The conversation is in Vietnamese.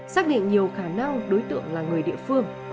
xác định nhiều khả năng đối tượng là người địa phương